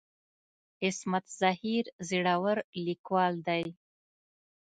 عصمت زهیر زړور ليکوال دی.